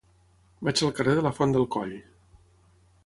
Vaig al carrer de la Font del Coll.